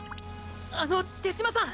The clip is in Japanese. あの手嶋さん！！